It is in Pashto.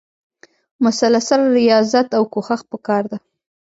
مسلسل ریاضت او کوښښ پکار دی.